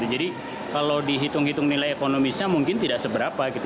jadi kalau dihitung hitung nilai ekonomisnya mungkin tidak seberapa